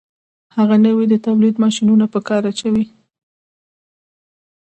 هغه نوي تولیدي ماشینونه په کار اچوي